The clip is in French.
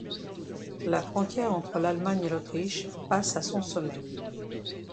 La frontière entre l'Allemagne et l'Autriche passe à son sommet.